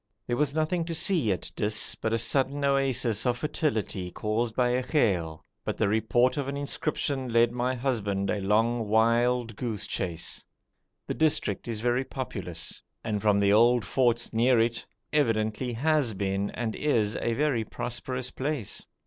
There was nothing to see at Dis but a sudden oasis of fertility caused by a ghail, but the report of an inscription led my husband a long wild goose chase. The district is very populous, and from the old forts near it evidently has been and is a very prosperous place.